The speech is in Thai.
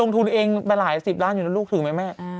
ทุนเองไปหลายสิบล้านอยู่นะลูกถึงไหมแม่